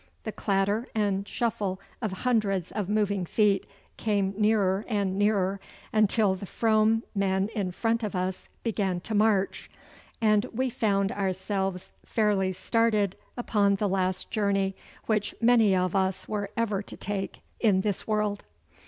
The clatter and shuffle of hundreds of moving feet came nearer and nearer, until the Frome men in front of us began to march, and we found ourselves fairly started upon the last journey which many of us were ever to take in this world.